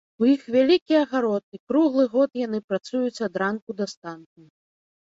У іх вялікі агарод, і круглы год яны працуюць ад ранку да станку.